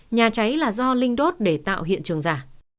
nhà cháy là do linh đốt để tạo hiện trường giả